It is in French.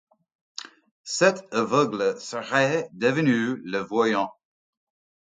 Cet aveugle serait devenu le voyant.